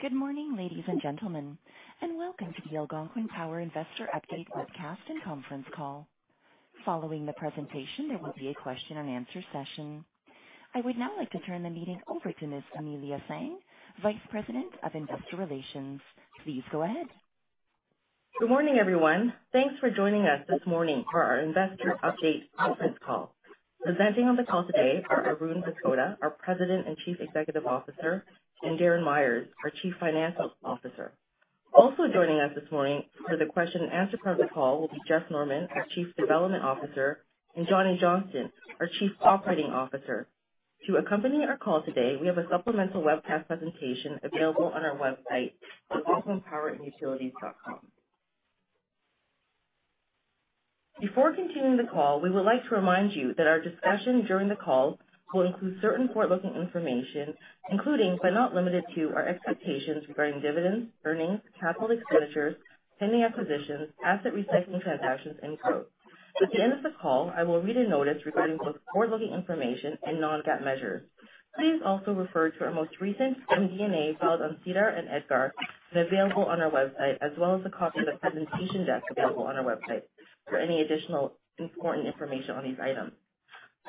Good morning, ladies and gentlemen, and welcome to the Algonquin Power investor update webcast and conference call. Following the presentation, there will be a question and answer session. I would now like to turn the meeting over to Ms. Amelia Tsang, Vice President of Investor Relations. Please go ahead. Good morning, everyone. Thanks for joining us this morning for our investor update conference call. Presenting on the call today are Arun Banskota, our President and Chief Executive Officer, and Darren Myers, our Chief Financial Officer. Also joining us this morning for the question and answer part of the call will be Jeff Norman, our Chief Development Officer, and Johnny Johnston, our Chief Operating Officer. To accompany our call today, we have a supplemental webcast presentation available on our website at algonquinpowerandutilities.com. Before continuing the call, we would like to remind you that our discussion during the call will include certain forward-looking information, including, but not limited to, our expectations regarding dividends, earnings, capital expenditures, pending acquisitions, asset recycling transactions, and growth. At the end of the call, I will read a notice regarding both forward-looking information and non-GAAP measures. Please also refer to our most recent MD&A filed on SEDAR and EDGAR, available on our website, as well as a copy of the presentation deck available on our website for any additional important information on these items.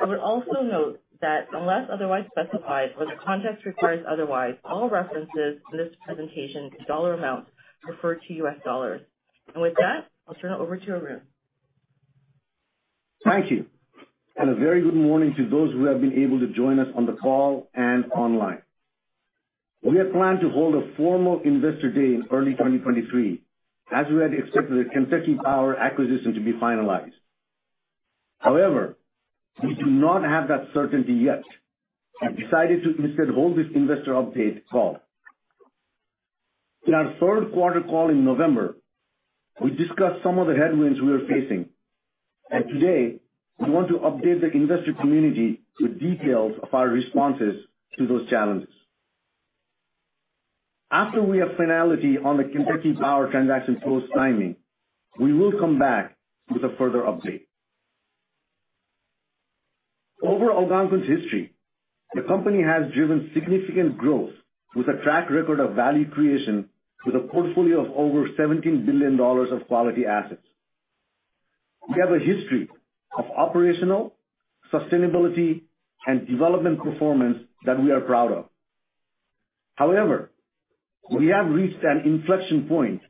I would also note that unless otherwise specified or the context requires otherwise, all references in this presentation to dollar amounts refer to U.S. dollars, and with that, I'll turn it over to Arun. Thank you and a very good morning to those who have been able to join us on the call and online. We had planned to hold a formal Investor Day in early 2023, as we had expected the Kentucky Power acquisition to be finalized. However, we do not have that certainty yet. We decided to instead hold this investor update call. In our third quarter call in November, we discussed some of the headwinds we were facing, and today, we want to update the investor community with details of our responses to those challenges. After we have finality on the Kentucky Power transaction close timing, we will come back with a further update. Over Algonquin's history, the company has driven significant growth with a track record of value creation with a portfolio of over $17 billion of quality assets. We have a history of operational, sustainability, and development performance that we are proud of. However, we have reached an inflection point,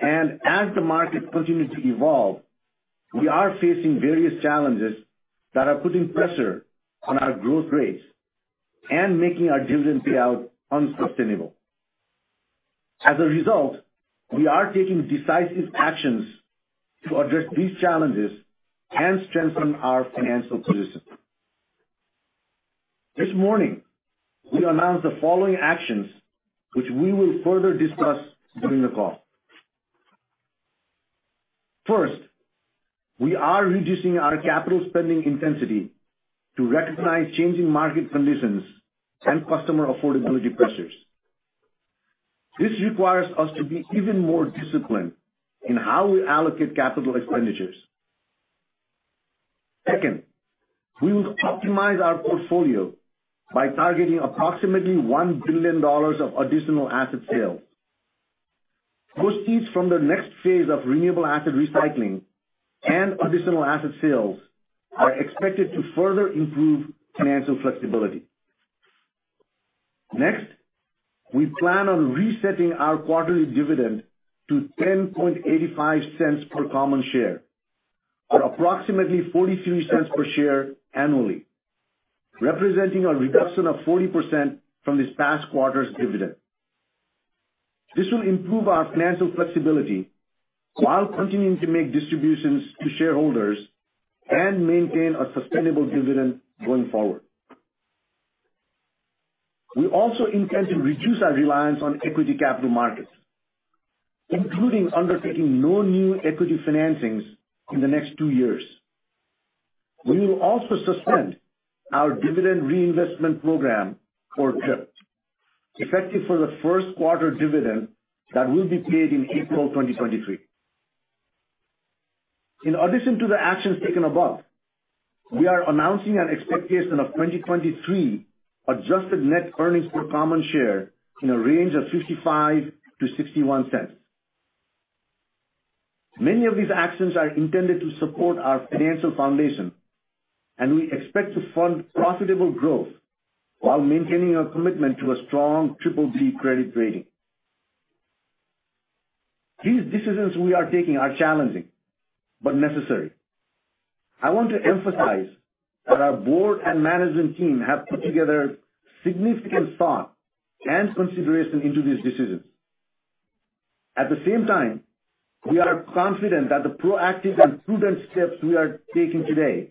and as the market continues to evolve, we are facing various challenges that are putting pressure on our growth rates and making our dividend payout unsustainable. As a result, we are taking decisive actions to address these challenges and strengthen our financial position. This morning, we announced the following actions, which we will further discuss during the call. First, we are reducing our capital spending intensity to recognize changing market conditions and customer affordability pressures. This requires us to be even more disciplined in how we allocate capital expenditures. Second, we will optimize our portfolio by targeting approximately $1 billion of additional asset sales. Proceeds from the next phase of renewable asset recycling and additional asset sales are expected to further improve financial flexibility. Next, we plan on resetting our quarterly dividend to $0.1085 per common share, or approximately $0.43 per share annually, representing a reduction of 40% from this past quarter's dividend. This will improve our financial flexibility while continuing to make distributions to shareholders and maintain a sustainable dividend going forward. We also intend to reduce our reliance on equity capital markets, including undertaking no new equity financings in the next two years. We will also suspend our Dividend Reinvestment Program, or DRIP, effective for the first quarter dividend that will be paid in April 2023. In addition to the actions taken above, we are announcing an expectation of 2023 Adjusted Net Earnings per Common Share in a range of $0.55-$0.61. Many of these actions are intended to support our financial foundation, and we expect to fund profitable growth while maintaining our commitment to a strong Triple B credit rating. These decisions we are taking are challenging but necessary. I want to emphasize that our board and management team have put together significant thought and consideration into these decisions. At the same time, we are confident that the proactive and prudent steps we are taking today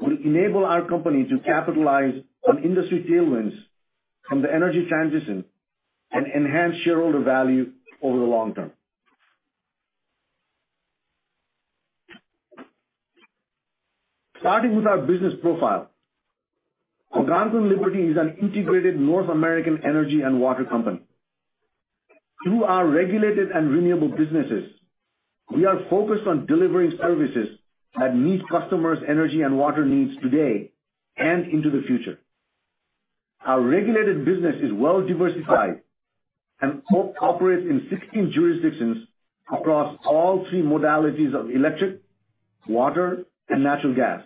will enable our company to capitalize on industry tailwinds from the energy transition and enhance shareholder value over the long term. starting with our business profile, Algonquin Liberty is an integrated North American energy and water company. Through our regulated and renewable businesses, we are focused on delivering services that meet customers' energy and water needs today and into the future. Our regulated business is well diversified and operates in 16 jurisdictions across all three modalities of electric, water, and natural gas,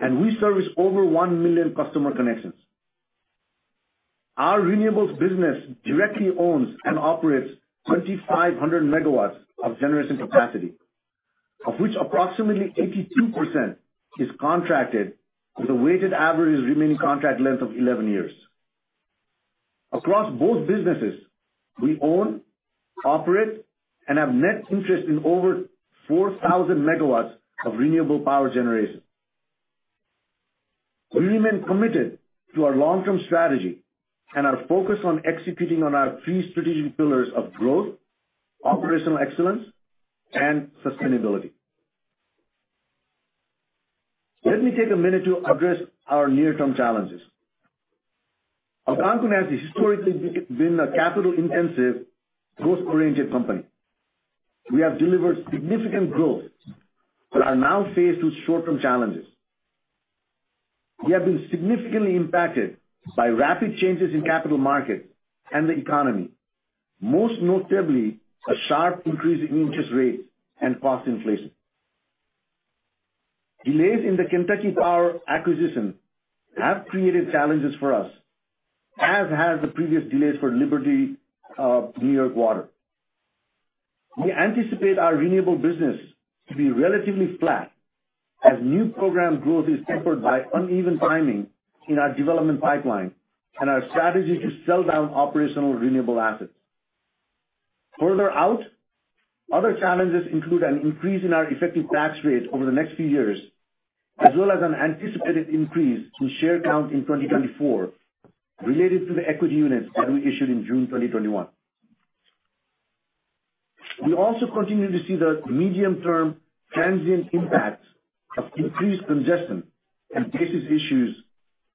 and we service over 1 million customer connections. Our renewables business directly owns and operates 2,500 MW of generation capacity, of which approximately 82% is contracted with a weighted average remaining contract length of 11 years. Across both businesses, we own, operate, and have net interest in over 4,000 MW of renewable power generation. We remain committed to our long-term strategy and are focused on executing on our three strategic pillars of growth, operational excellence, and sustainability. Let me take a minute to address our near-term challenges. Algonquin has historically been a capital-intensive, growth-oriented company. We have delivered significant growth but are now faced with short-term challenges. We have been significantly impacted by rapid changes in capital markets and the economy, most notably a sharp increase in interest rates and cost inflation. Delays in the Kentucky Power acquisition have created challenges for us, as have the previous delays for Liberty New York Water. We anticipate our renewable business to be relatively flat as new program growth is tempered by uneven timing in our development pipeline and our strategy to sell down operational renewable assets. Further out, other challenges include an increase in our effective tax rate over the next few years, as well as an anticipated increase in share count in 2024 related to the equity units that we issued in June 2021. We also continue to see the medium-term transient impacts of increased congestion and basis issues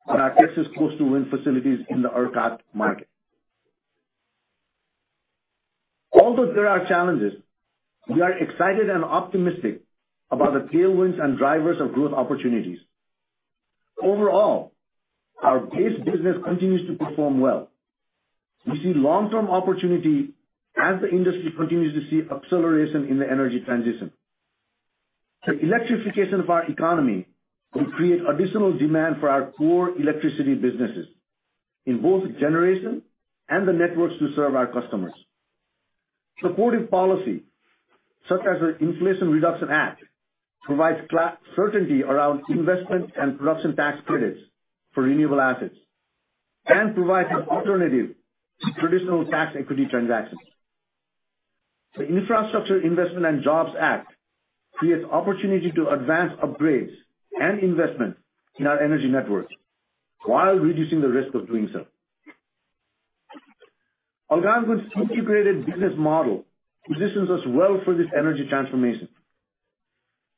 on our Texas coastal wind facilities in the ERCOT market. Although there are challenges, we are excited and optimistic about the tailwinds and drivers of growth opportunities. Overall, our base business continues to perform well. We see long-term opportunity as the industry continues to see acceleration in the energy transition. The electrification of our economy will create additional demand for our core electricity businesses in both generation and the networks to serve our customers. Supportive policy such as the Inflation Reduction Act provides certainty around investment and production tax credits for renewable assets and provides an alternative to traditional tax equity transactions. The Infrastructure Investment and Jobs Act creates opportunity to advance upgrades and investment in our energy networks while reducing the risk of doing so. Algonquin's integrated business model positions us well for this energy transformation.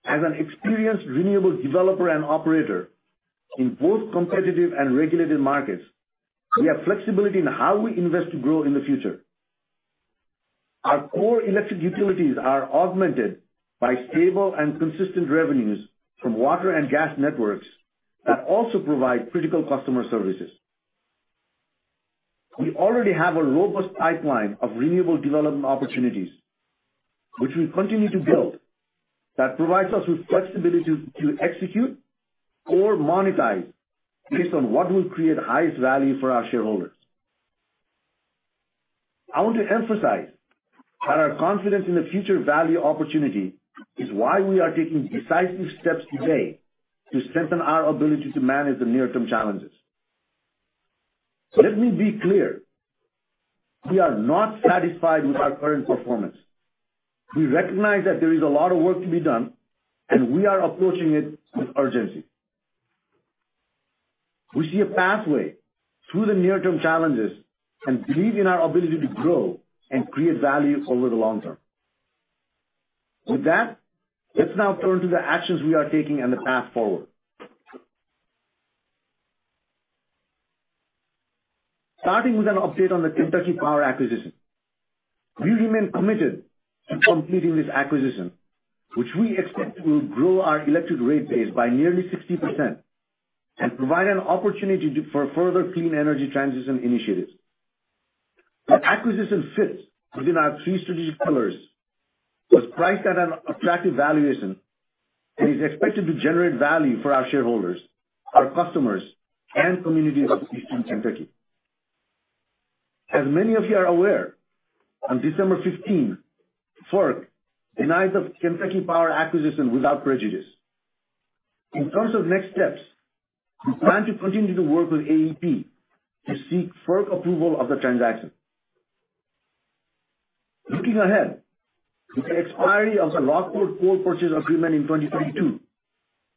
As an experienced renewable developer and operator in both competitive and regulated markets, we have flexibility in how we invest to grow in the future. Our core electric utilities are augmented by stable and consistent revenues from water and gas networks that also provide critical customer services. We already have a robust pipeline of renewable development opportunities, which we continue to build, that provides us with flexibility to execute or monetize based on what will create the highest value for our shareholders. I want to emphasize that our confidence in the future value opportunity is why we are taking decisive steps today to strengthen our ability to manage the near-term challenges. Let me be clear. We are not satisfied with our current performance. We recognize that there is a lot of work to be done, and we are approaching it with urgency. We see a pathway through the near-term challenges and believe in our ability to grow and create value over the long term. With that, let's now turn to the actions we are taking and the path forward. starting with an update on the Kentucky Power acquisition, we remain committed to completing this acquisition, which we expect will grow our electric rate base by nearly 60% and provide an opportunity for further clean energy transition initiatives. The acquisition fits within our three strategic pillars, was priced at an attractive valuation, and is expected to generate value for our shareholders, our customers, and communities of Eastern Kentucky. As many of you are aware, on December 15, FERC denied the Kentucky Power acquisition without prejudice. In terms of next steps, we plan to continue to work with AEP to seek FERC approval of the transaction. Looking ahead, with the expiry of the Rockport Coal Purchase Agreement in 2022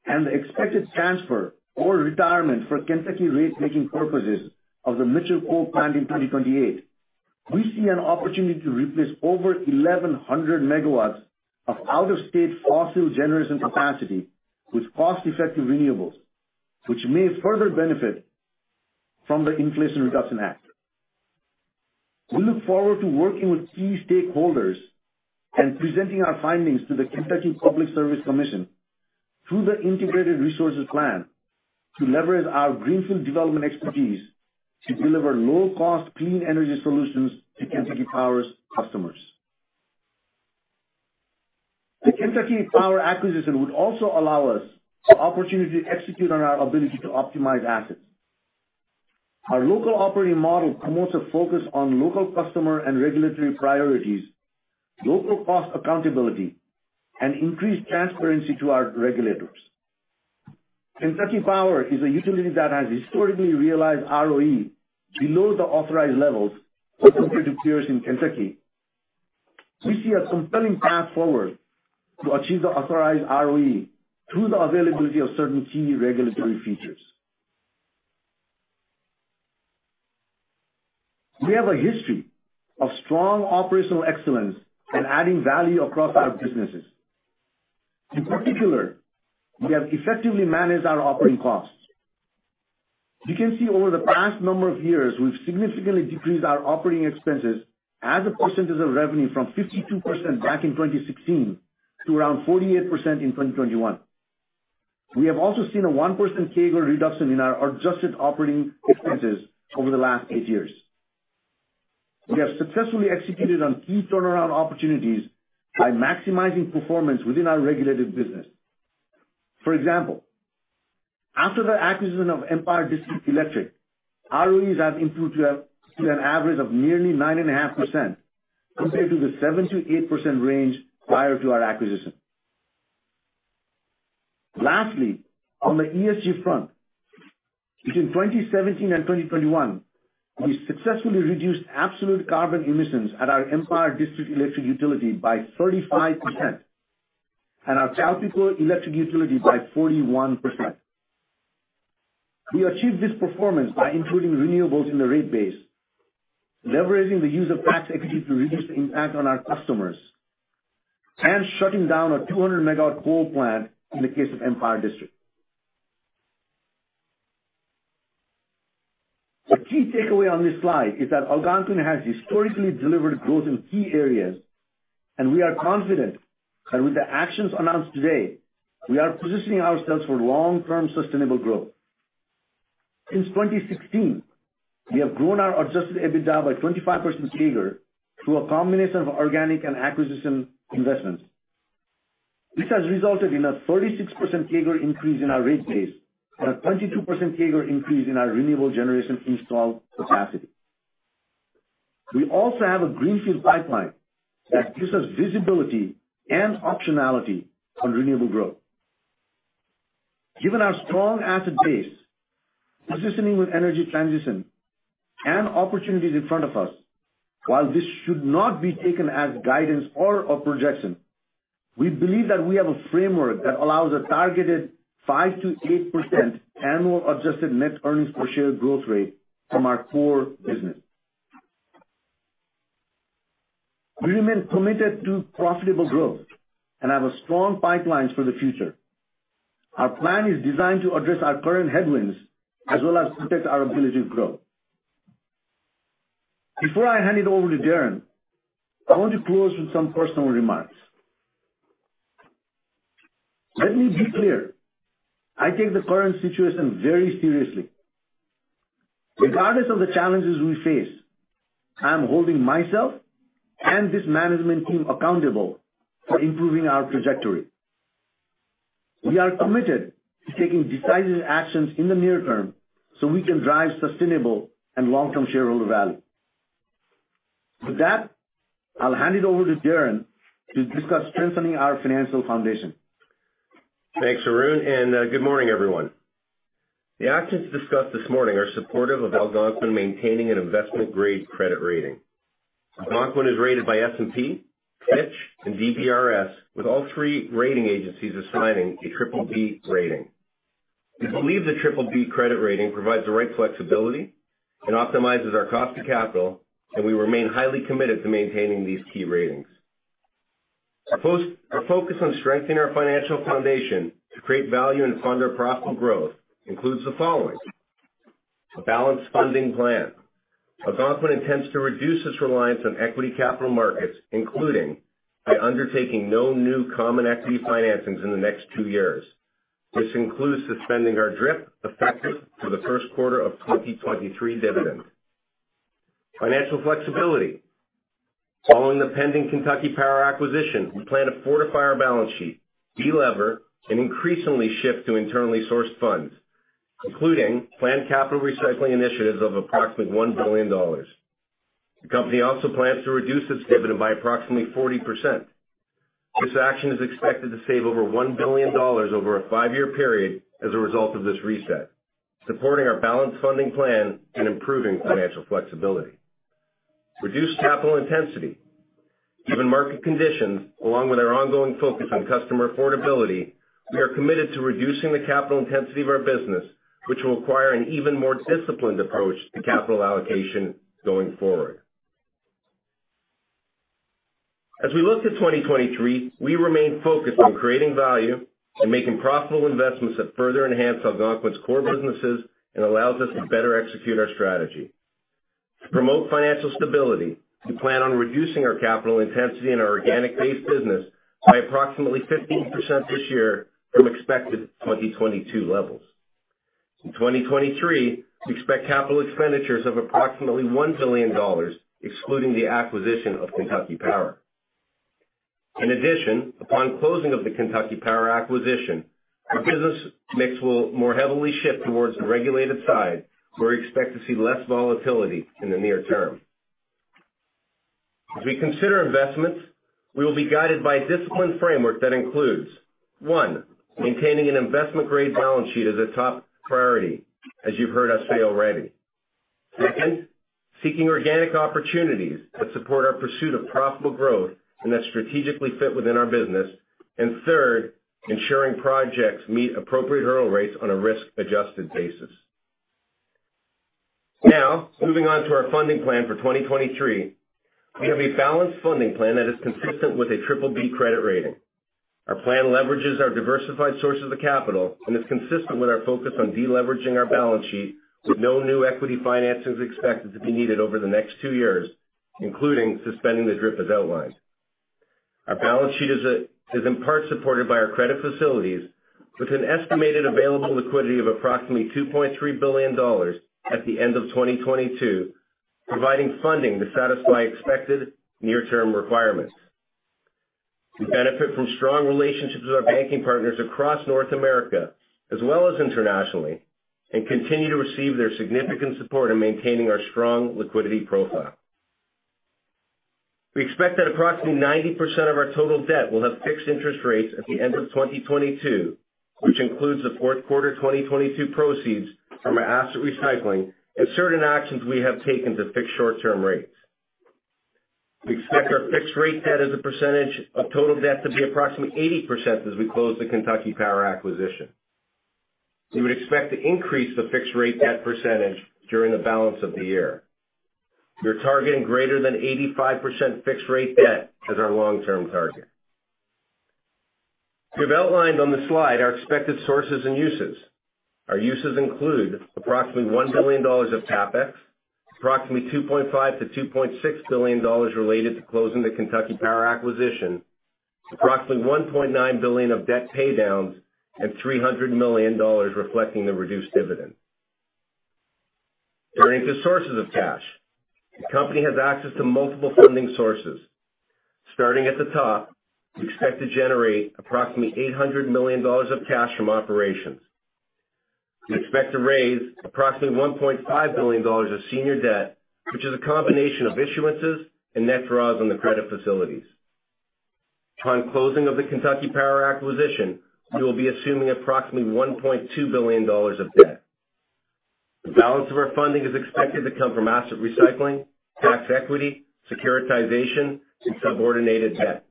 and the expected transfer or retirement for Kentucky rate-making purposes of the Mitchell Coal Plant in 2028, we see an opportunity to replace over 1,100 MW of out-of-state fossil generation capacity with cost-effective renewables, which may further benefit from the Inflation Reduction Act. We look forward to working with key stakeholders and presenting our findings to the Kentucky Public Service Commission through the Integrated Resources Plan to leverage our greenfield development expertise to deliver low-cost clean energy solutions to Kentucky Power's customers. The Kentucky Power acquisition would also allow us the opportunity to execute on our ability to optimize assets. Our local operating model promotes a focus on local customer and regulatory priorities, local cost accountability, and increased transparency to our regulators. Kentucky Power is a utility that has historically realized ROE below the authorized levels compared to peers in Kentucky. We see a compelling path forward to achieve the authorized ROE through the availability of certain key regulatory features. We have a history of strong operational excellence and adding value across our businesses. In particular, we have effectively managed our operating costs. You can see over the past number of years, we've significantly decreased our operating expenses as a percentage of revenue from 52% back in 2016 to around 48% in 2021. We have also seen a 1% CAGR reduction in our adjusted operating expenses over the last eight years. We have successfully executed on key turnaround opportunities by maximizing performance within our regulated business. For example, after the acquisition of Empire District Electric, ROEs have improved to an average of nearly 9.5% compared to the 7%-8% range prior to our acquisition. Lastly, on the ESG front, between 2017 and 2021, we successfully reduced absolute carbon emissions at our Empire District Electric utility by 35% and our CalPeco electric utility by 41%. We achieved this performance by including renewables in the rate base, leveraging the use of tax equity to reduce the impact on our customers, and shutting down a 200 MW coal plant in the case of Empire District. The key takeaway on this slide is that Algonquin has historically delivered growth in key areas, and we are confident that with the actions announced today, we are positioning ourselves for long-term sustainable growth. Since 2016, we have grown our Adjusted EBITDA by 25% CAGR through a combination of organic and acquisition investments. This has resulted in a 36% CAGR increase in our rate base and a 22% CAGR increase in our renewable generation installed capacity. We also have a greenfield pipeline that gives us visibility and optionality on renewable growth. Given our strong asset base, positioning with energy transition, and opportunities in front of us, while this should not be taken as guidance or a projection, we believe that we have a framework that allows a targeted 5%-8% annual Adjusted Net Earnings per Share growth rate from our core business. We remain committed to profitable growth and have strong pipelines for the future. Our plan is designed to address our current headwinds as well as protect our ability to grow. Before I hand it over to Darren, I want to close with some personal remarks. Let me be clear. I take the current situation very seriously. Regardless of the challenges we face, I am holding myself and this management team accountable for improving our trajectory. We are committed to taking decisive actions in the near term so we can drive sustainable and long-term shareholder value. With that, I'll hand it over to Darren to discuss strengthening our financial foundation. Thanks, Arun. And good morning, everyone. The actions discussed this morning are supportive of Algonquin maintaining an investment-grade credit rating. Algonquin is rated by S&P, Fitch, and DBRS, with all three rating agencies assigning a Triple B rating. We believe the Triple B credit rating provides the right flexibility and optimizes our cost of capital, and we remain highly committed to maintaining these key ratings. Our focus on strengthening our financial foundation to create value and fund our profitable growth includes the following, a balanced funding plan. Algonquin intends to reduce its reliance on equity capital markets, including by undertaking no new common equity financings in the next two years. This includes suspending our DRIP effective for the first quarter of 2023 dividend. Financial flexibility. Following the pending Kentucky Power acquisition, we plan to fortify our balance sheet, delever, and increasingly shift to internally sourced funds, including planned capital recycling initiatives of approximately $1 billion. The company also plans to reduce its dividend by approximately 40%. This action is expected to save over $1 billion over a five-year period as a result of this reset, supporting our balanced funding plan and improving financial flexibility. Reduced capital intensity. Given market conditions, along with our ongoing focus on customer affordability, we are committed to reducing the capital intensity of our business, which will require an even more disciplined approach to capital allocation going forward. As we look to 2023, we remain focused on creating value and making profitable investments that further enhance Algonquin's core businesses and allows us to better execute our strategy. To promote financial stability, we plan on reducing our capital intensity and our organic-based business by approximately 15% this year from expected 2022 levels. In 2023, we expect capital expenditures of approximately $1 billion, excluding the acquisition of Kentucky Power. In addition, upon closing of the Kentucky Power acquisition, our business mix will more heavily shift towards the regulated side, where we expect to see less volatility in the near term. As we consider investments, we will be guided by a disciplined framework that includes, one, maintaining an investment-grade balance sheet as a top priority, as you've heard us say already, second, seeking organic opportunities that support our pursuit of profitable growth and that strategically fit within our business, and third, ensuring projects meet appropriate hurdle rates on a risk-adjusted basis. Now, moving on to our funding plan for 2023, we have a balanced funding plan that is consistent with a Triple B credit rating. Our plan leverages our diversified sources of capital and is consistent with our focus on deleveraging our balance sheet, with no new equity financings expected to be needed over the next two years, including suspending the DRIP as outlined. Our balance sheet is in part supported by our credit facilities, with an estimated available liquidity of approximately $2.3 billion at the end of 2022, providing funding to satisfy expected near-term requirements. We benefit from strong relationships with our banking partners across North America as well as internationally and continue to receive their significant support in maintaining our strong liquidity profile. We expect that approximately 90% of our total debt will have fixed interest rates at the end of 2022, which includes the fourth quarter 2022 proceeds from our asset recycling and certain actions we have taken to fix short-term rates. We expect our fixed rate debt as a percentage of total debt to be approximately 80% as we close the Kentucky Power acquisition. We would expect to increase the fixed rate debt percentage during the balance of the year. We are targeting greater than 85% fixed rate debt as our long-term target. We have outlined on the slide our expected sources and uses. Our uses include approximately $1 billion of CapEx, approximately $2.5-$2.6 billion related to closing the Kentucky Power acquisition, approximately $1.9 billion of debt paydowns, and $300 million reflecting the reduced dividend. Turning to sources of cash, the company has access to multiple funding sources. starting at the top, we expect to generate approximately $800 million of cash from operations. We expect to raise approximately $1.5 billion of senior debt, which is a combination of issuances and net draws on the credit facilities. Upon closing of the Kentucky Power acquisition, we will be assuming approximately $1.2 billion of debt. The balance of our funding is expected to come from asset recycling, tax equity, securitization, and subordinated debt.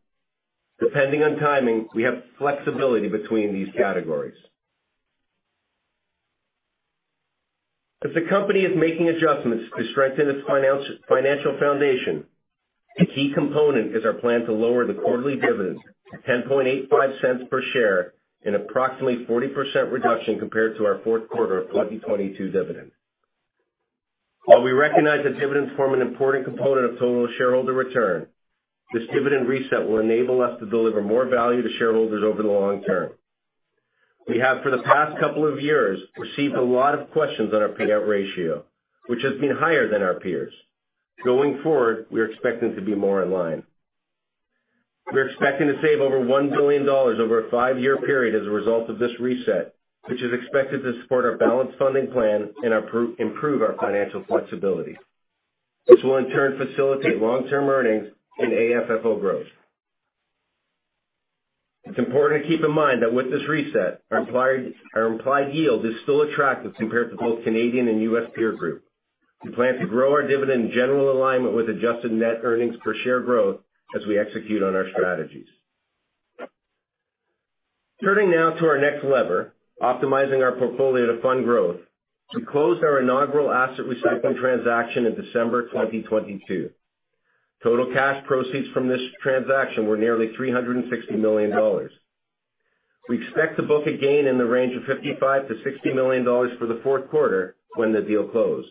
Depending on timing, we have flexibility between these categories. As the company is making adjustments to strengthen its financial foundation, a key component is our plan to lower the quarterly dividend to $0.1085 per share and approximately 40% reduction compared to our fourth quarter of 2022 dividend. While we recognize that dividends form an important component of total shareholder return, this dividend reset will enable us to deliver more value to shareholders over the long term. We have, for the past couple of years, received a lot of questions on our payout ratio, which has been higher than our peers. Going forward, we are expecting to be more in line. We're expecting to save over $1 billion over a five-year period as a result of this reset, which is expected to support our balanced funding plan and improve our financial flexibility. This will, in turn, facilitate long-term earnings and AFFO growth. It's important to keep in mind that with this reset, our implied yield is still attractive compared to both Canadian and U.S. peer group. We plan to grow our dividend in general alignment with Adjusted Net Earnings per Share growth as we execute on our strategies. Turning now to our next lever, optimizing our portfolio to fund growth, we closed our inaugural asset recycling transaction in December 2022. Total cash proceeds from this transaction were nearly $360 million. We expect to book a gain in the range of $55-$60 million for the fourth quarter when the deal closed.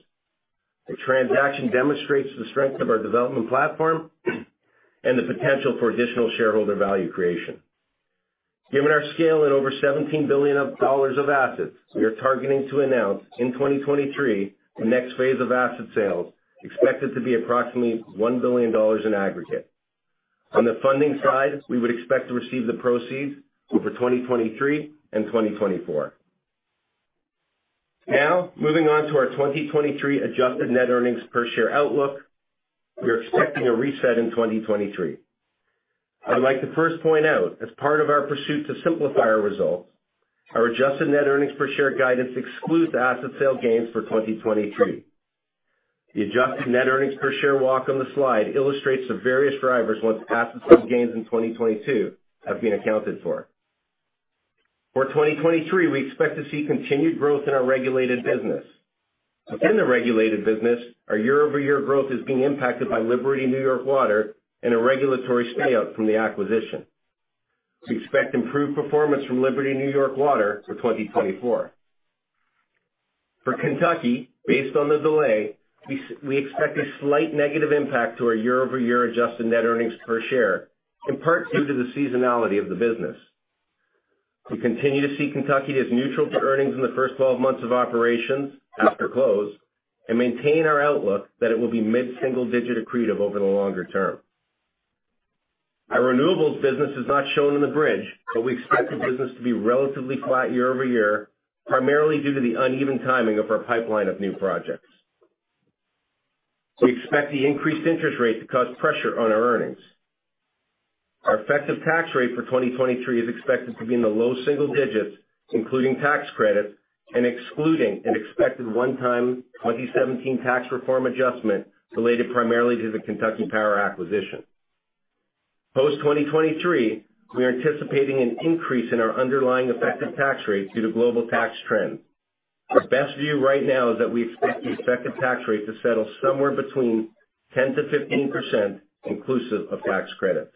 The transaction demonstrates the strength of our development platform and the potential for additional shareholder value creation. Given our scale and over $17 billion of assets, we are targeting to announce in 2023 the next phase of asset sales expected to be approximately $1 billion in aggregate. On the funding side, we would expect to receive the proceeds over 2023 and 2024. Now, moving on to our 2023 Adjusted Net Earnings per Share outlook, we are expecting a reset in 2023. I would like to first point out, as part of our pursuit to simplify our results, our Adjusted Net Earnings per share guidance excludes asset sale gains for 2023. The Adjusted Net Earnings per Share walk on the slide illustrates the various drivers once asset sale gains in 2022 have been accounted for. For 2023, we expect to see continued growth in our regulated business. Within the regulated business, our year-over-year growth is being impacted by Liberty New York Water and a regulatory stay-out from the acquisition. We expect improved performance from Liberty New York Water for 2024. For Kentucky, based on the delay, we expect a slight negative impact to our year-over-year Adjusted Net Earnings per Share, in part due to the seasonality of the business. We continue to see Kentucky as neutral to earnings in the first 12 months of operations after close and maintain our outlook that it will be mid-single-digit accretive over the longer term. Our renewables business is not shown in the bridge, but we expect the business to be relatively flat year-over-year, primarily due to the uneven timing of our pipeline of new projects. We expect the increased interest rate to cause pressure on our earnings. Our effective tax rate for 2023 is expected to be in the low single digits, including tax credits, and excluding an expected one-time 2017 tax reform adjustment related primarily to the Kentucky Power acquisition. Post-2023, we are anticipating an increase in our underlying effective tax rate due to global tax trends. Our best view right now is that we expect the effective tax rate to settle somewhere between 10%-15% inclusive of tax credits.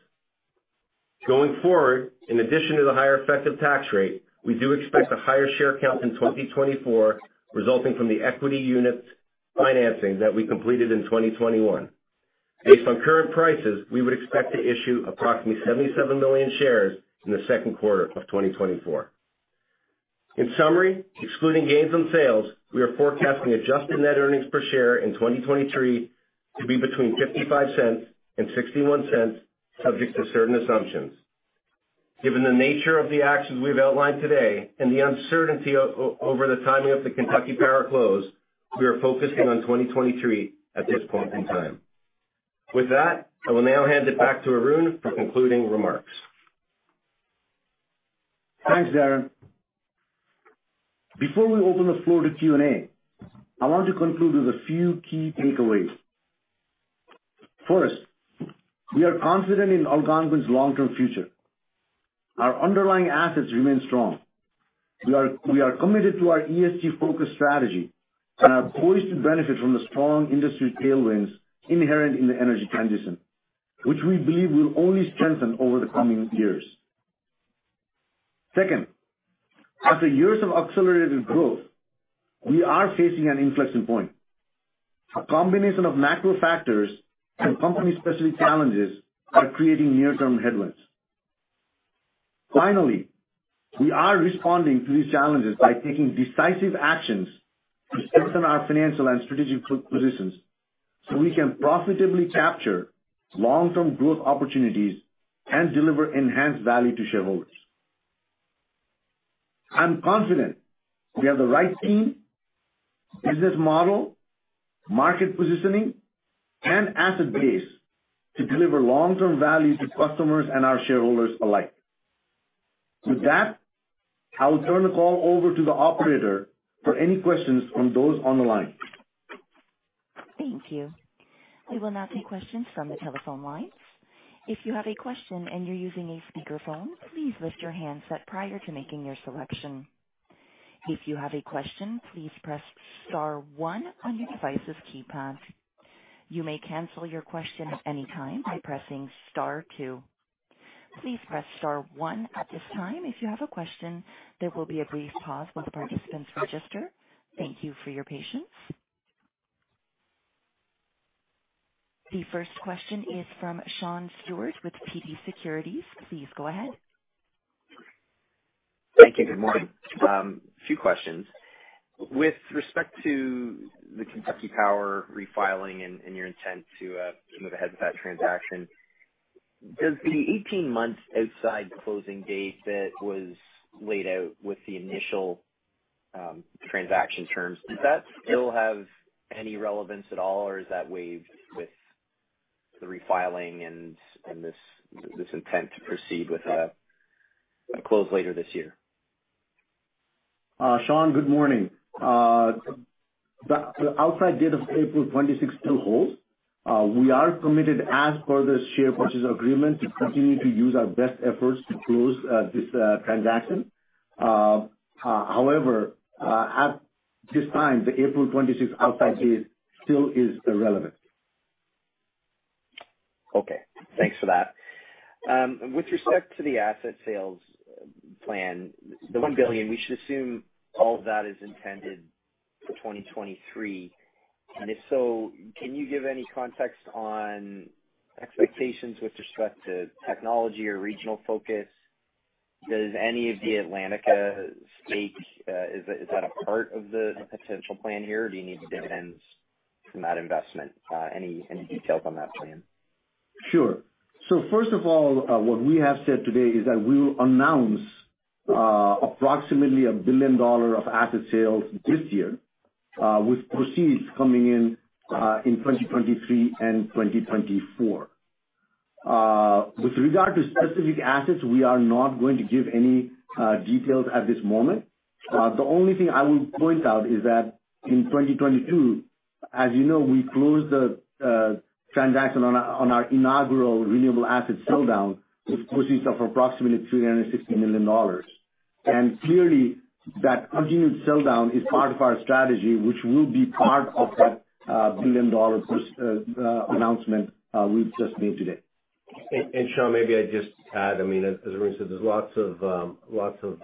Going forward, in addition to the higher effective tax rate, we do expect a higher share count in 2024 resulting from the equity unit financing that we completed in 2021. Based on current prices, we would expect to issue approximately 77 million shares in the second quarter of 2024. In summary, excluding gains on sales, we are forecasting Adjusted Net Earnings per Share in 2023 to be between $0.55 and $0.61, subject to certain assumptions. Given the nature of the actions we've outlined today and the uncertainty over the timing of the Kentucky Power close, we are focusing on 2023 at this point in time. With that, I will now hand it back to Arun for concluding remarks. Thanks, Darren. Before we open the floor to Q&A, I want to conclude with a few key takeaways. First, we are confident in Algonquin's long-term future. Our underlying assets remain strong. We are committed to our ESG-focused strategy and are poised to benefit from the strong industry tailwinds inherent in the energy transition, which we believe will only strengthen over the coming years. Second, after years of accelerated growth, we are facing an inflection point. A combination of macro factors and company-specific challenges are creating near-term headwinds. Finally, we are responding to these challenges by taking decisive actions to strengthen our financial and strategic positions so we can profitably capture long-term growth opportunities and deliver enhanced value to shareholders. I'm confident we have the right team, business model, market positioning, and asset base to deliver long-term value to customers and our shareholders alike. With that, I will turn the call over to the operator for any questions from those on the line. Thank you. We will now take questions from the telephone lines. If you have a question and you're using a speakerphone, please lift your handset prior to making your selection. If you have a question, please press star one on your device's keypad. You may cancel your question at any time by pressing star two. Please press star one at this time. If you have a question, there will be a brief pause while the participants register. Thank you for your patience. The first question is from Sean Steuart with TD Securities. Please go ahead. Thank you. Good morning. A few questions. With respect to the Kentucky Power refiling and your intent to move ahead with that transaction, does the 18-month outside closing date that was laid out with the initial transaction terms, does that still have any relevance at all, or is that waived with the refiling and this intent to proceed with a close later this year? Sean, good morning. The outside date of April 26 still holds. We are committed, as per the share purchase agreement, to continue to use our best efforts to close this transaction. However, at this time, the April 26 outside date still is irrelevant. Okay. Thanks for that. With respect to the asset sales plan, the $1 billion, we should assume all of that is intended for 2023. And if so, can you give any context on expectations with respect to technology or regional focus? Does any of the Atlantica stake, is that a part of the potential plan here, or do you need dividends from that investment? Any details on that plan? Sure. So first of all, what we have said today is that we will announce approximately $1 billion of asset sales this year, with proceeds coming in in 2023 and 2024. With regard to specific assets, we are not going to give any details at this moment. The only thing I will point out is that in 2022, as you know, we closed the transaction on our inaugural renewable asset sell down with proceeds of approximately $360 million. And clearly, that continued sell down is part of our strategy, which will be part of that billion-dollar announcement we've just made today. And Sean, maybe I just add, I mean, as Arun said, there's lots of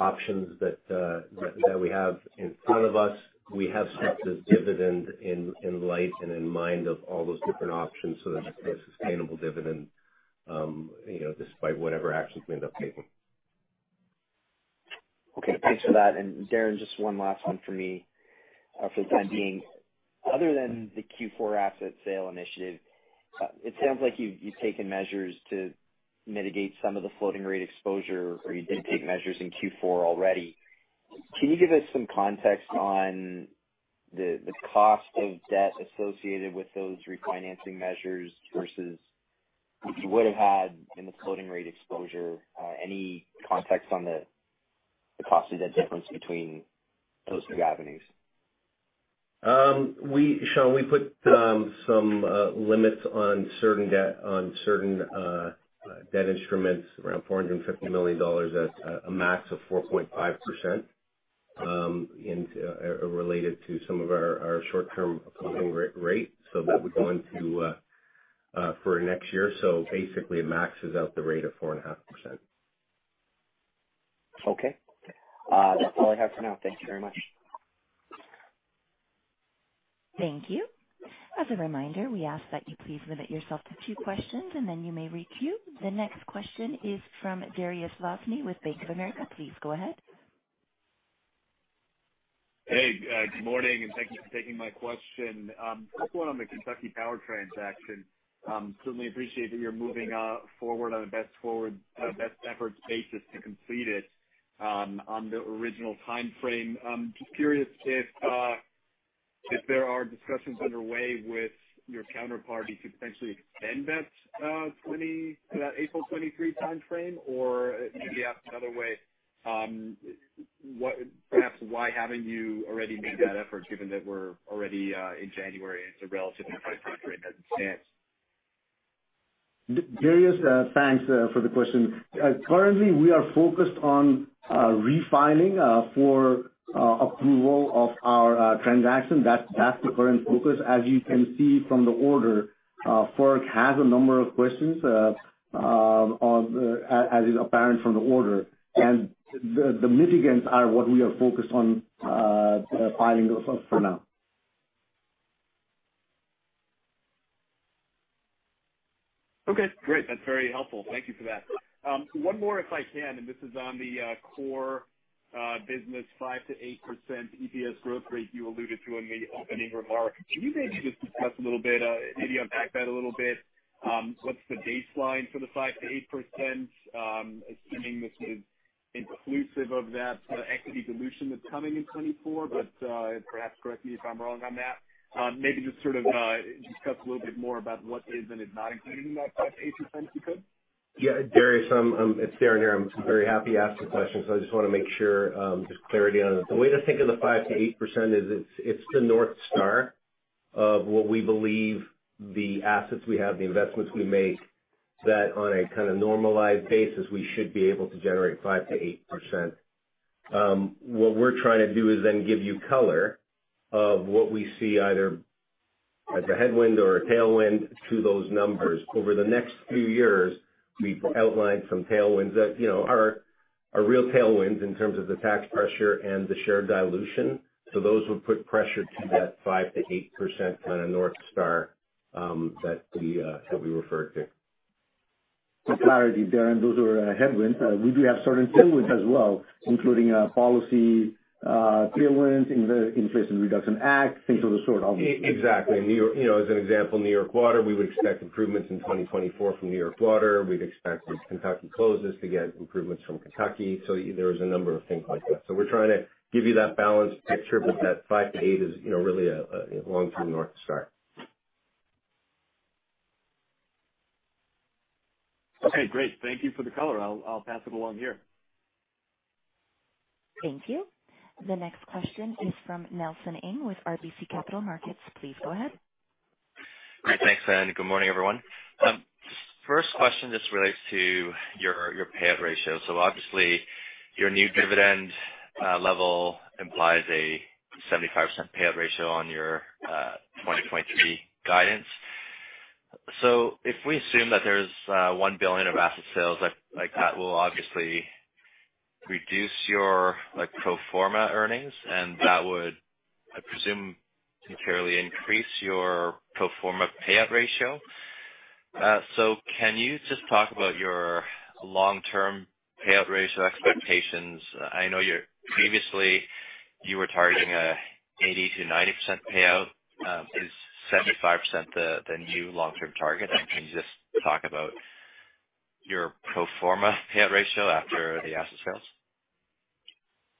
options that we have in front of us. We have set this dividend in light and in mind of all those different options so that it's a sustainable dividend despite whatever actions we end up taking. Okay. Thanks for that. And Darren, just one last one for me for the time being. Other than the Q4 asset sale initiative, it sounds like you've taken measures to mitigate some of the floating rate exposure, or you did take measures in Q4 already. Can you give us some context on the cost of debt associated with those refinancing measures versus if you would have had in the floating rate exposure? Any context on the cost of debt difference between those two avenues? Sean, we put some limits on certain debt instruments, around $450 million, at a max of 4.5% related to some of our short-term floating rate, so that would go into force for next year, so basically, it maxes out the rate at 4.5%. Okay. That's all I have for now. Thank you very much. Thank you. As a reminder, we ask that you please limit yourself to two questions, and then you may rejoin the queue. The next question is from Dariusz Lozny with Bank of America. Please go ahead. Hey, good morning, and thank you for taking my question. First one on the Kentucky Power transaction. Certainly appreciate that you're moving forward on a best-forward best-effort basis to complete it on the original timeframe. Just curious if there are discussions underway with your counterparty to potentially extend that April 2023 timeframe, or maybe ask another way, perhaps why haven't you already made that effort, given that we're already in January and it's a relatively tight timeframe as it stands? Dariusz, thanks for the question. Currently, we are focused on refiling for approval of our transaction. That's the current focus. As you can see from the order, FERC has a number of questions, as is apparent from the order, and the mitigants are what we are focused on filing for now. Okay. Great. That's very helpful. Thank you for that. One more, if I can, and this is on the core business 5%-8% EPS growth rate you alluded to in the opening remark. Can you maybe just discuss a little bit, maybe unpack that a little bit? What's the baseline for the 5%-8%, assuming this is inclusive of that equity dilution that's coming in 2024? But perhaps correct me if I'm wrong on that. Maybe just sort of discuss a little bit more about what is and is not included in that 5%-8%, if you could? Yeah. Darius, it's Darren here. I'm very happy to ask the question, so I just want to make sure there's clarity on it. The way to think of the 5%-8% is it's the north star of what we believe the assets we have, the investments we make, that on a kind of normalized basis, we should be able to generate 5%-8%. What we're trying to do is then give you color of what we see either as a headwind or a tailwind to those numbers. Over the next few years, we've outlined some tailwinds that are real tailwinds in terms of the tax pressure and the share dilution. So those would put pressure to that 5%-8% kind of north star that we referred to. For clarity, Darren, those were headwinds. We do have certain tailwinds as well, including policy tailwinds in the Inflation Reduction Act, things of the sort, obviously. Exactly. As an example, New York Water, we would expect improvements in 2024 from New York Water. We'd expect, when Kentucky closes, to get improvements from Kentucky. So there's a number of things like that. So we're trying to give you that balanced picture, but that 5%-8% is really a long-term north star. Okay. Great. Thank you for the color. I'll pass it along here. Thank you. The next question is from Nelson Ng with RBC Capital Markets. Please go ahead. Great. Thanks, Darren. Good morning, everyone. First question just relates to your payout ratio. So obviously, your new dividend level implies a 75% payout ratio on your 2023 guidance. So if we assume that there's $1 billion of asset sales like that, that will obviously reduce your pro forma earnings, and that would, I presume, materially increase your pro forma payout ratio. So can you just talk about your long-term payout ratio expectations? I know previously you were targeting an 80%-90% payout. Is 75% the new long-term target? And can you just talk about your pro forma payout ratio after the asset sales?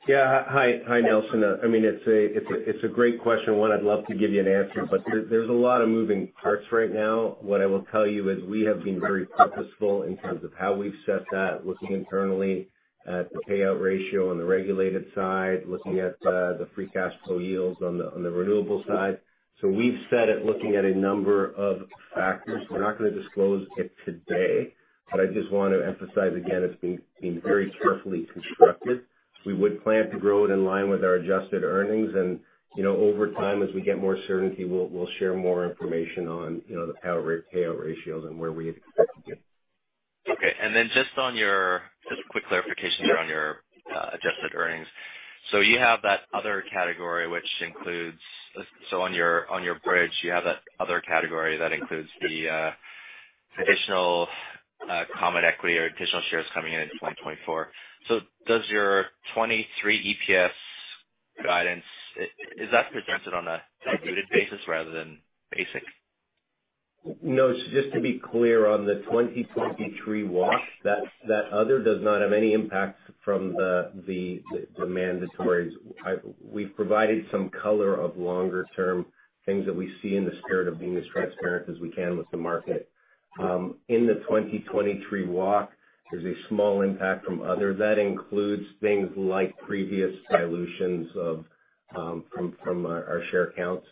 Yeah. Hi, Nelson. I mean, it's a great question. One, I'd love to give you an answer, but there's a lot of moving parts right now. What I will tell you is we have been very purposeful in terms of how we've set that, looking internally at the payout ratio on the regulated side, looking at the free cash flow yields on the renewable side. So we've set it looking at a number of factors. We're not going to disclose it today, but I just want to emphasize again, it's been very carefully constructed. We would plan to grow it in line with our adjusted earnings, and over time, as we get more certainty, we'll share more information on the payout ratios and where we expect to get. Okay. And then just on your quick clarifications around your adjusted earnings. So you have that other category, which includes, shown on your bridge, the additional common equity or additional shares coming in 2024. So, does your 2023 EPS guidance? Is that presented on a diluted basis rather than basic? No. Just to be clear on the 2023 WACC, that other does not have any impact from the mandatories. We've provided some color of longer-term things that we see in the spirit of being as transparent as we can with the market. In the 2023 WACC, there's a small impact from other. That includes things like previous dilutions from our share counts.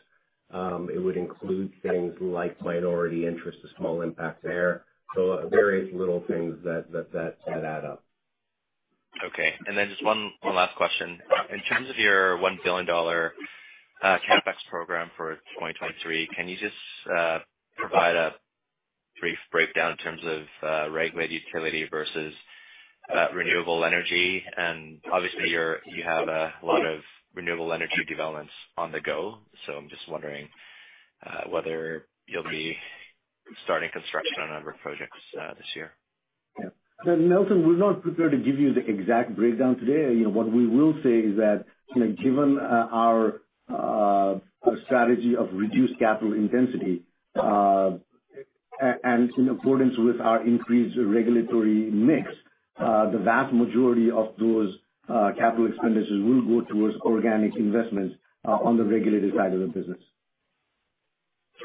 It would include things like minority interest, a small impact there. So various little things that add up. Okay. And then just one last question. In terms of your $1 billion CapEx program for 2023, can you just provide a brief breakdown in terms of regulated utility versus renewable energy? And obviously, you have a lot of renewable energy developments on the go. So I'm just wondering whether you'll be starting construction on a number of projects this year? Yeah. Nelson, we're not prepared to give you the exact breakdown today. What we will say is that given our strategy of reduced capital intensity and in accordance with our increased regulatory mix, the vast majority of those capital expenditures will go towards organic investments on the regulated side of the business.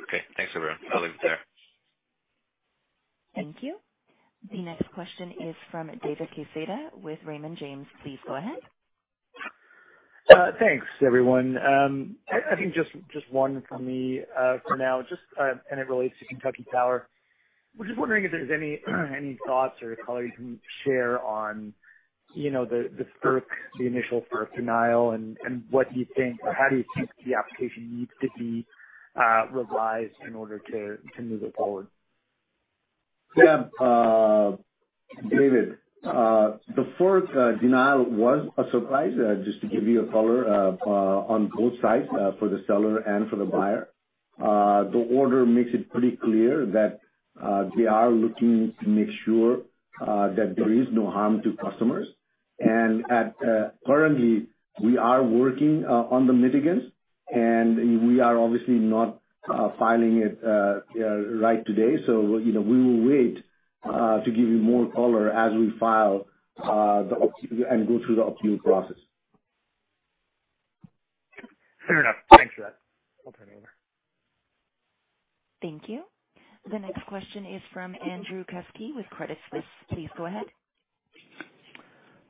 Okay. Thanks, everyone. I'll leave it there. Thank you. The next question is from David Quezada with Raymond James. Please go ahead. Thanks, everyone. I think just one from me for now, and it relates to Kentucky Power. We're just wondering if there's any thoughts or color you can share on the FERC, the initial FERC denial, and what do you think, or how do you think the application needs to be revised in order to move it forward? Yeah. David, the FERC denial was a surprise, just to give you a color, on both sides for the seller and for the buyer. The order makes it pretty clear that they are looking to make sure that there is no harm to customers. And currently, we are working on the mitigants, and we are obviously not filing it right today. So we will wait to give you more color as we file and go through the appeal process. Fair enough. Thanks for that. I'll turn it over. Thank you. The next question is from Andrew Kuske with Credit Suisse. Please go ahead.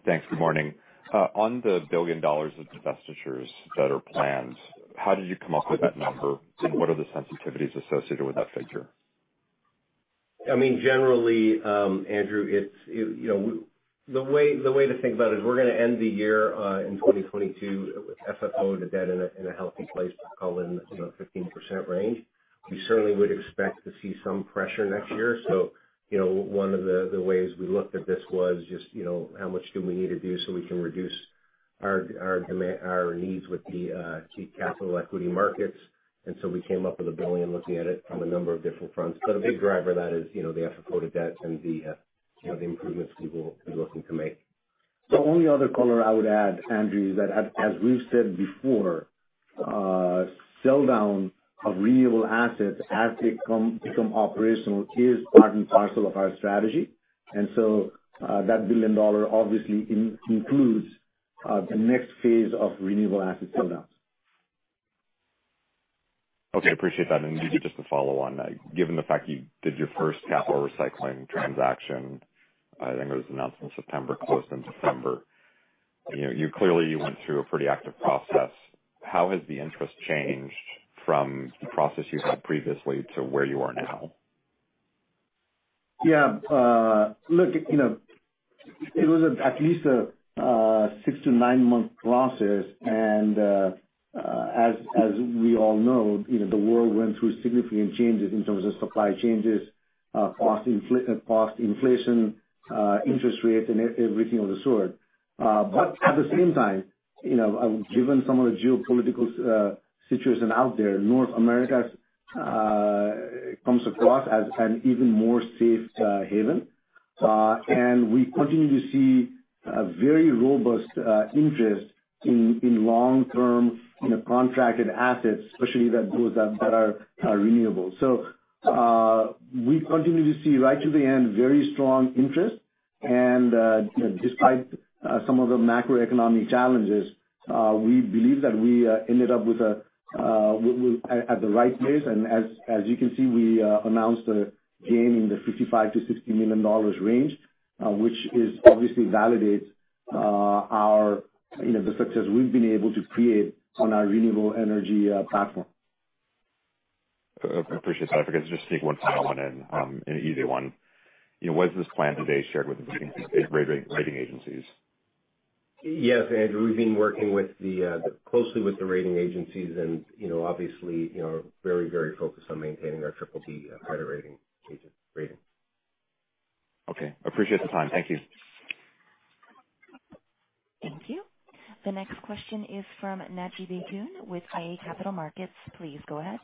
Thanks. Good morning. On the $1 billion of divestitures that are planned, how did you come up with that number, and what are the sensitivities associated with that figure? I mean, generally, Andrew, the way to think about it is we're going to end the year in 2022 with FFO to debt in a healthy place to call in the 15% range. We certainly would expect to see some pressure next year. So one of the ways we looked at this was just how much do we need to do so we can reduce our needs with the capital equity markets. And so we came up with $1 billion looking at it from a number of different fronts. But a big driver of that is the FFO to debt and the improvements we will be looking to make. The only other color I would add, Andrew, is that as we've said before, sell down of renewable assets as they become operational is part and parcel of our strategy, and so that $1 billion obviously includes the next phase of renewable asset sell downs. Okay. Appreciate that. And just to follow on, given the fact you did your first capital recycling transaction, I think it was announced in September, closed in December, you clearly went through a pretty active process. How has the interest changed from the process you had previously to where you are now? Yeah. Look, it was at least a six- to nine-month process. And as we all know, the world went through significant changes in terms of supply changes, cost inflation, interest rates, and everything of the sort. But at the same time, given some of the geopolitical situation out there, North America comes across as an even more safe haven. And we continue to see very robust interest in long-term contracted assets, especially those that are renewable. So we continue to see right to the end very strong interest. And despite some of the macroeconomic challenges, we believe that we ended up at the right place. And as you can see, we announced a gain in the $55-$60 million range, which obviously validates the success we've been able to create on our renewable energy platform. Appreciate that. If I could just take one final one in, an easy one. Was this plan today shared with the rating agencies? Yes, Andrew. We've been working closely with the rating agencies and obviously very, very focused on maintaining our Triple B credit rating. Okay. Appreciate the time. Thank you. Thank you. The next question is from Naji Baydoun with iA Capital Markets. Please go ahead.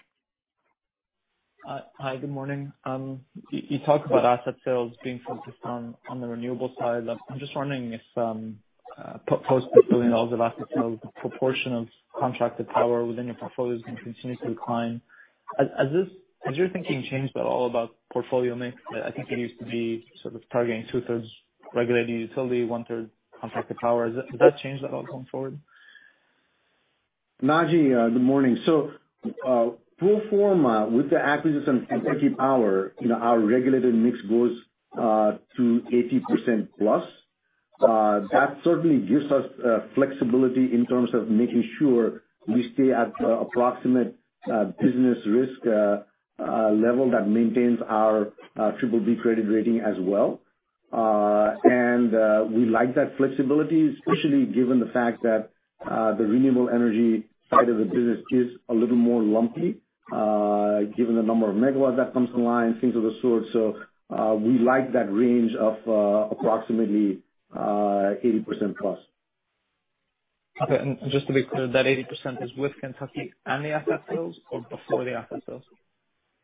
Hi. Good morning. You talk about asset sales being focused on the renewable side. I'm just wondering if post $1 billion of asset sales, the proportion of contracted power within your portfolio is going to continue to decline. Has your thinking changed at all about portfolio mix? I think it used to be sort of targeting two-thirds regulated utility, one-third contracted power. Has that changed at all going forward? Najib, good morning. So pro forma, with the acquisition of Kentucky Power, our regulated mix goes to 80%+. That certainly gives us flexibility in terms of making sure we stay at the approximate business risk level that maintains our Triple B credit rating as well. And we like that flexibility, especially given the fact that the renewable energy side of the business is a little more lumpy given the number of MW that comes to mind, things of the sort. So we like that range of approximately 80%+. Okay, and just to be clear, that 80% is with Kentucky and the asset sales or before the asset sales?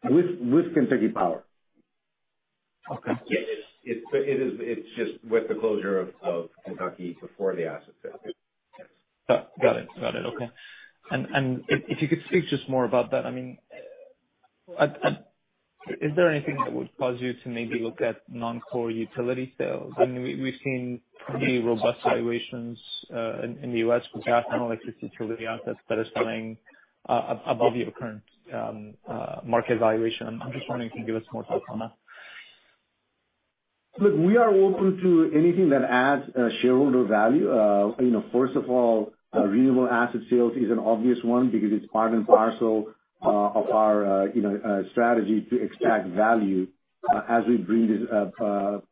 With Kentucky Power. Okay. It's just with the closure of Kentucky before the asset sales. Got it. Got it. Okay, and if you could speak just more about that. I mean, is there anything that would cause you to maybe look at non-core utility sales? I mean, we've seen pretty robust valuations in the U.S. for gas and electric utility assets that are selling above your current market valuation. I'm just wondering if you can give us more thought on that. Look, we are open to anything that adds shareholder value. First of all, renewable asset sales is an obvious one because it's part and parcel of our strategy to extract value as we bring this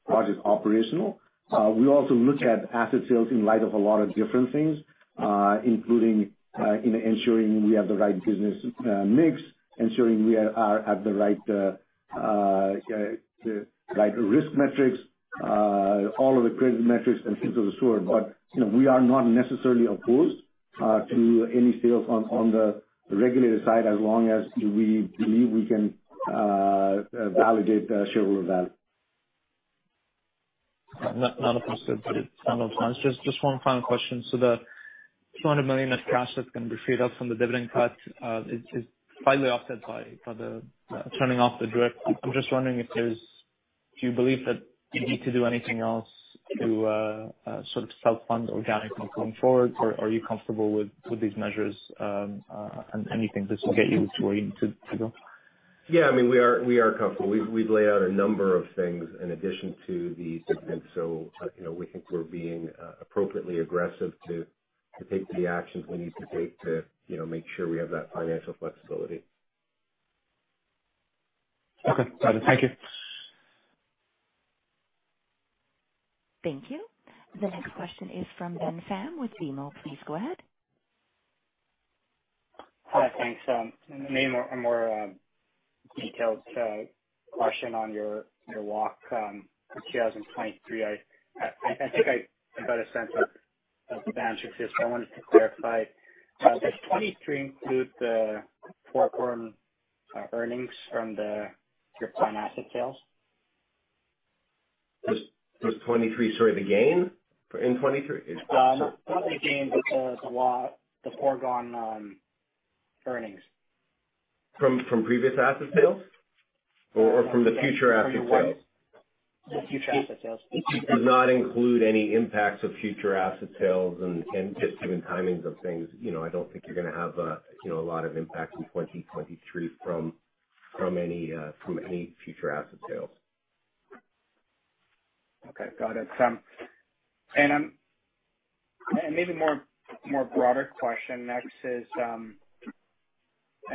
project operational. We also look at asset sales in light of a lot of different things, including ensuring we have the right business mix, ensuring we are at the right risk metrics, all of the credit metrics, and things of the sort, but we are not necessarily opposed to any sales on the regulated side as long as we believe we can validate shareholder value. None of them stood to the final challenge. Just one final question, so the $200 million of cash that's going to be freed up from the dividend cut is slightly offset by turning off the DRIP. I'm just wondering, do you believe that you need to do anything else to sort of self-fund organically going forward, or are you comfortable with these measures and you think this will get you to where you need to go? Yeah. I mean, we are comfortable. We've laid out a number of things in addition to the dividend, so we think we're being appropriately aggressive to take the actions we need to take to make sure we have that financial flexibility. Okay. Got it. Thank you. Thank you. The next question is from Ben Pham with BMO. Please go ahead. Hi. Thanks. Maybe a more detailed question on your WACC in 2023. I think I've got a sense of the answer to this. I wanted to clarify. Does 2023 include the foregone earnings from your plan asset sales? Does 2023 sort of the gain in 2023? Not the gain, the foregone earnings. From previous asset sales or from the future asset sales? The future asset sales. It does not include any impacts of future asset sales and just even timings of things. I don't think you're going to have a lot of impact in 2023 from any future asset sales. Okay. Got it. And maybe a more broader question next is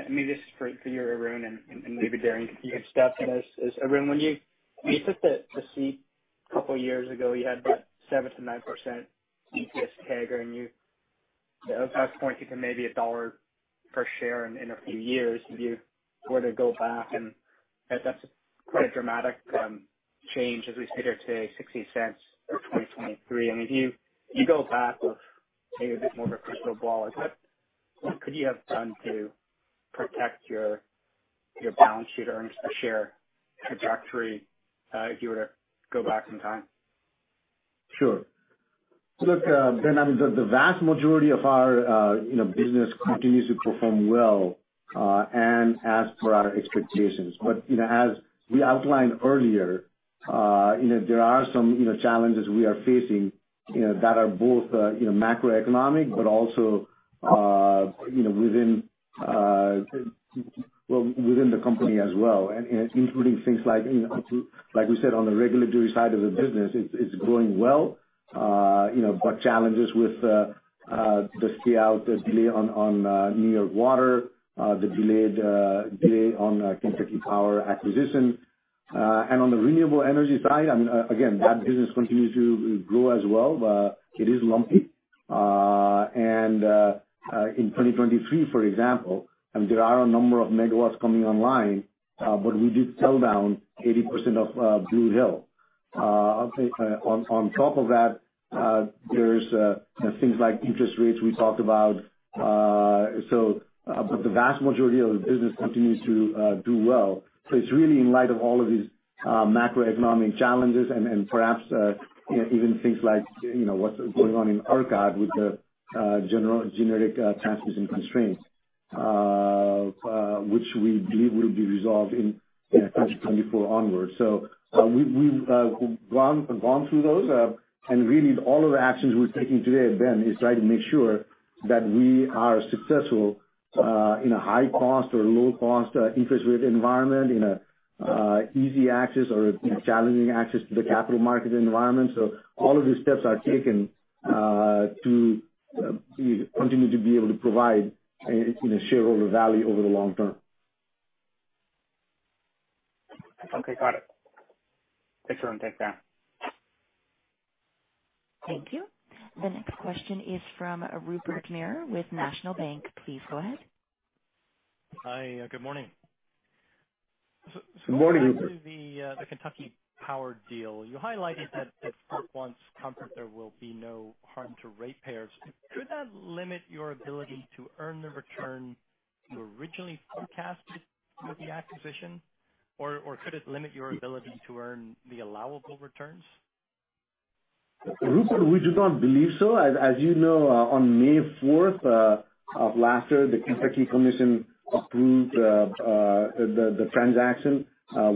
maybe this is for you, Arun, and maybe Darren can give you a step in this. Arun, when you took the seat a couple of years ago, you had about 7%-9% EPS tag, and at that point, you can maybe $1 per share in a few years. If you were to go back, and that's quite a dramatic change as we sit here today, $0.60 for 2023. And if you go back, maybe a bit more of a crystal ball, what could you have done to protect your balance sheet or share trajectory if you were to go back in time? Sure. Look, Ben, I mean, the vast majority of our business continues to perform well and as per our expectations, but as we outlined earlier, there are some challenges we are facing that are both macroeconomic but also within the company as well, including things like, like we said, on the regulatory side of the business, it's growing well, but challenges with the stay-out delay on New York Water, the delay on Kentucky Power acquisition, and on the renewable energy side, I mean, again, that business continues to grow as well, it is lumpy, and in 2023, for example, I mean, there are a number of MW coming online, but we did sell down 80% of Blue Hill. On top of that, there's things like interest rates we talked about, but the vast majority of the business continues to do well. So it's really in light of all of these macroeconomic challenges and perhaps even things like what's going on in ERCOT with the generic transmission constraints, which we believe will be resolved in 2024 onward. So we've gone through those. And really, all of the actions we're taking today, Ben, is trying to make sure that we are successful in a high-cost or low-cost interest rate environment, in an easy access or challenging access to the capital market environment. So all of these steps are taken to continue to be able to provide shareholder value over the long term. Okay. Got it. Thanks, Arun. Thanks, Darren. Thank you. The next question is from Rupert Merer with National Bank. Please go ahead. Hi. Good morning. Good morning, Rupert. This is the Kentucky Power deal. You highlighted that the forgone concession there will be no harm to ratepayers. Could that limit your ability to earn the return you originally forecast with the acquisition, or could it limit your ability to earn the allowable returns? We do not believe so. As you know, on May 4th of last year, the Kentucky Commission approved the transaction,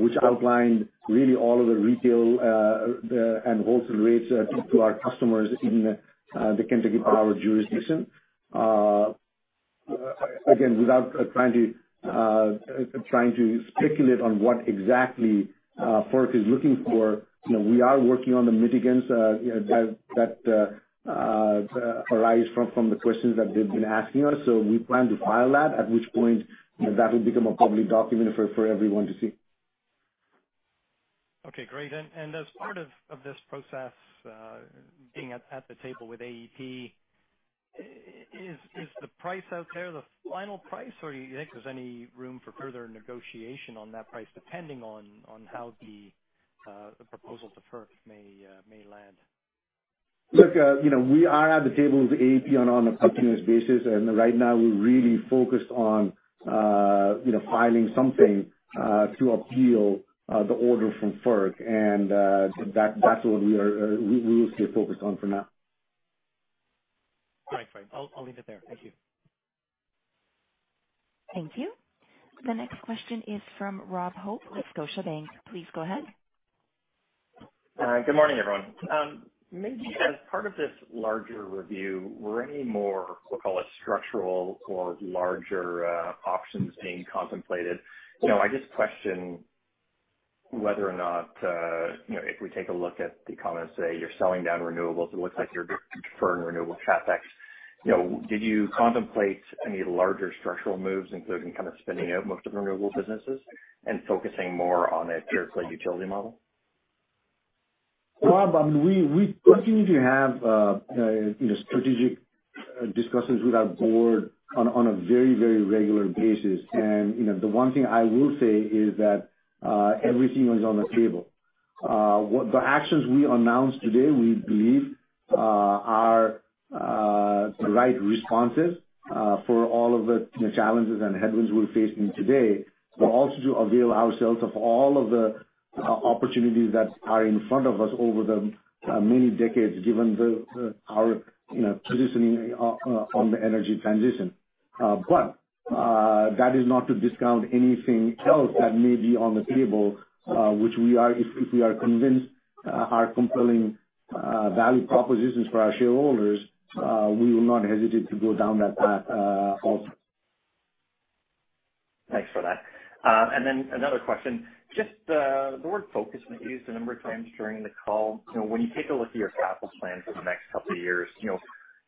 which outlined really all of the retail and wholesale rates to our customers in the Kentucky Power jurisdiction. Again, without trying to speculate on what exactly FERC is looking for, we are working on the mitigants that arise from the questions that they've been asking us. So we plan to file that, at which point that will become a public document for everyone to see. Okay. Great. And as part of this process, being at the table with AEP, is the price out there the final price, or do you think there's any room for further negotiation on that price depending on how the proposal to FERC may land? Look, we are at the table with AEP on a continuous basis, and right now, we're really focused on filing something to appeal the order from FERC, and that's what we will stay focused on for now. All right. Great. I'll leave it there. Thank you. Thank you. The next question is from Rob Hope with Scotiabank. Please go ahead. Good morning, everyone. Maybe as part of this larger review, were any more, we'll call it structural or larger options being contemplated? I just question whether or not, if we take a look at the comments, say, you're selling down renewables, it looks like you're deferring renewable CapEx. Did you contemplate any larger structural moves, including kind of spinning out most of the renewable businesses and focusing more on a pure-play utility model? Rob, I mean, we continue to have strategic discussions with our board on a very, very regular basis. And the one thing I will say is that everything is on the table. The actions we announced today, we believe, are the right responses for all of the challenges and headwinds we're facing today, but also to avail ourselves of all of the opportunities that are in front of us over the many decades, given our positioning on the energy transition. But that is not to discount anything else that may be on the table, which, if we are convinced are compelling value propositions for our shareholders, we will not hesitate to go down that path also. Thanks for that, and then another question. Just the word focus was used a number of times during the call. When you take a look at your capital plan for the next couple of years,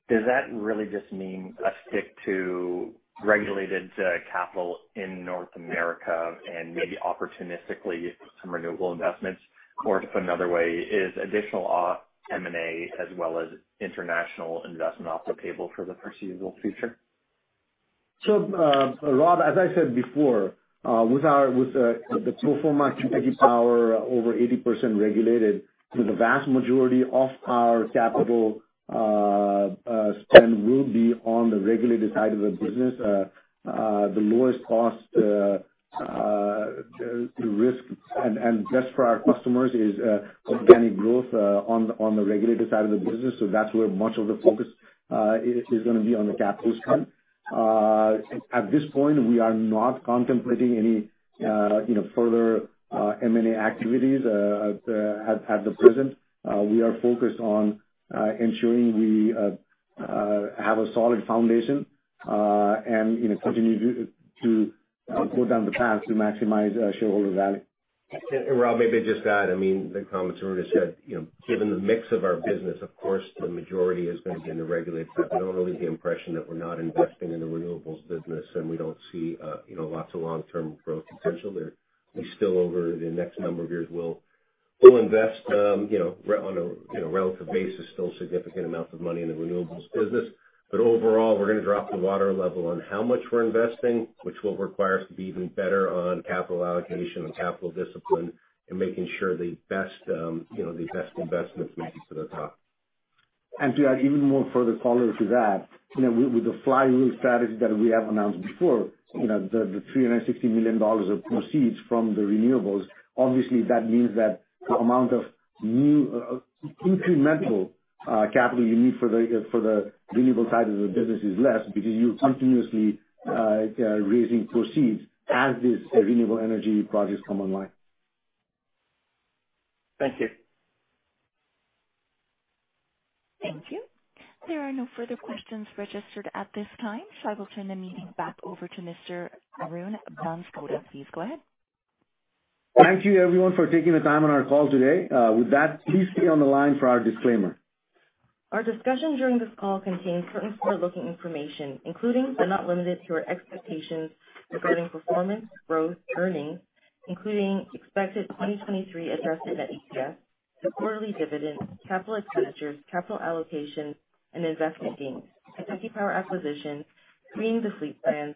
does that really just mean stick to regulated capital in North America and maybe opportunistically some renewable investments? Or, to put another way, is additional M&A as well as international investment off the table for the foreseeable future? So, Rob, as I said before, with the pro forma Kentucky Power over 80% regulated, the vast majority of our capital spend will be on the regulated side of the business. The lowest cost, the risk, and best for our customers is organic growth on the regulated side of the business. So that's where much of the focus is going to be on the capital spend. At this point, we are not contemplating any further M&A activities at the present. We are focused on ensuring we have a solid foundation and continue to go down the path to maximize shareholder value. And, Rob, maybe just that. I mean, the comments Arun has said, given the mix of our business, of course, the majority is going to be in the regulated side. We don't really have the impression that we're not investing in the renewables business, and we don't see lots of long-term growth potential there. We still, over the next number of years, will invest on a relative basis, still significant amounts of money in the renewables business. But overall, we're going to drop the water level on how much we're investing, which will require us to be even better on capital allocation and capital discipline and making sure the best investments make it to the top. And to add even more further color to that, with the flywheel strategy that we have announced before, the $360 million of proceeds from the renewables, obviously, that means that the amount of incremental capital you need for the renewable side of the business is less because you're continuously raising proceeds as these renewable energy projects come online. Thank you. Thank you. There are no further questions registered at this time, so I will turn the meeting back over to Mr. Arun Banskota. Please go ahead. Thank you, everyone, for taking the time on our call today. With that, please stay on the line for our disclaimer. Our discussion during this call contains certain forward-looking information, including but not limited to our expectations regarding performance, growth, earnings, including expected 2023 adjusted EPS, the quarterly dividend, capital expenditures, capital allocation, and investment gains, Kentucky Power acquisition, Greening the Fleet plans,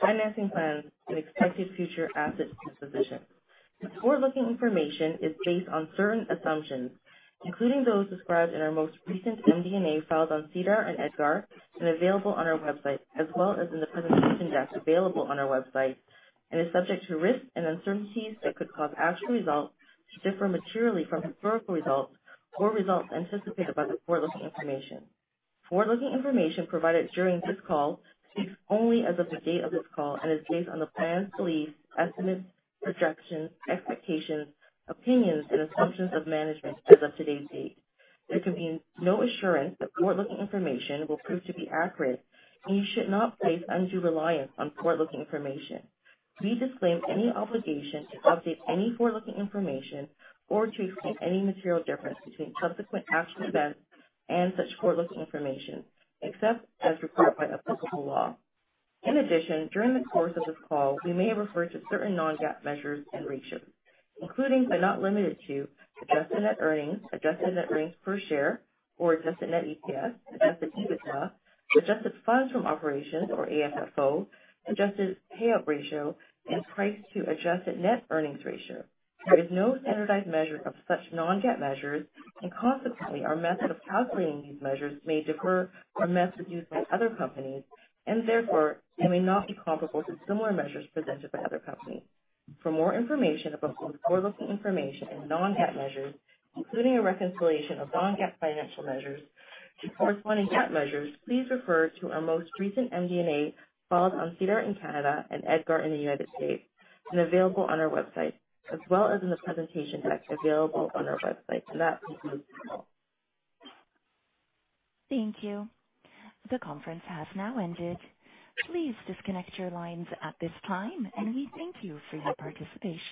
financing plans, and expected future asset disposition. The forward-looking information is based on certain assumptions, including those described in our most recent MD&A filed on SEDAR and EDGAR and available on our website, as well as in the presentation deck available on our website, and is subject to risks and uncertainties that could cause actual results to differ materially from historical results or results anticipated by the forward-looking information. Forward-looking information provided during this call speaks only as of the date of this call and is based on the company's beliefs, estimates, projections, expectations, opinions, and assumptions of management as of today's date. There can be no assurance that forward-looking information will prove to be accurate, and you should not place undue reliance on forward-looking information. We disclaim any obligation to update any forward-looking information or to explain any material difference between subsequent actual events and such forward-looking information, except as required by applicable law. In addition, during the course of this call, we may refer to certain non-GAAP measures and ratios, including but not limited to Adjusted Net Earnings, Adjusted Net Earnings per Share, or Adjusted Net EPS, Adjusted EBITDA, Adjusted Funds From Operations or AFFO, Adjusted Payout Ratio, and Price-to-Adjusted Net Earnings Ratio. There is no standardized measure of such non-GAAP measures, and consequently, our method of calculating these measures may differ from methods used by other companies, and therefore, they may not be comparable to similar measures presented by other companies. For more information about both forward-looking information and non-GAAP measures, including a reconciliation of non-GAAP financial measures to corresponding GAAP measures, please refer to our most recent MD&A filed on SEDAR in Canada and EDGAR in the United States, and available on our website, as well as in the presentation deck available on our website. And that concludes this call. Thank you. The conference has now ended. Please disconnect your lines at this time, and we thank you for your participation.